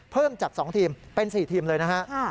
เพิ่มจาก๒ทีมเป็น๔ทีมเลยนะฮะ